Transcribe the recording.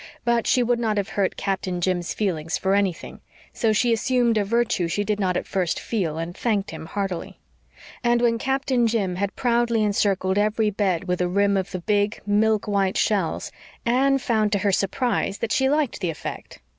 But she would not have hurt Captain Jim's feelings for anything; so she assumed a virtue she did not at first feel, and thanked him heartily. And when Captain Jim had proudly encircled every bed with a rim of the big, milk white shells, Anne found to her surprise that she liked the effect.